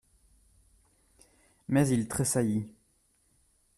Mais il tressaillit.